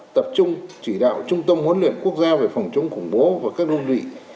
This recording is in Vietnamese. tập trung chỉ đạo trung tâm huấn luyện quốc gia về phòng chống khủng bố và các đơn vị